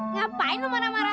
ngapain lo marah marah